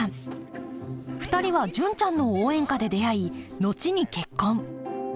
２人は「純ちゃんの応援歌」で出会い後に結婚